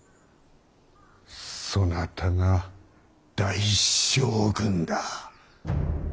そなたが大将軍だ。